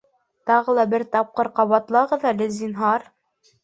Тағы ла бер тапҡыр ҡабатлағыҙ әле, зинһар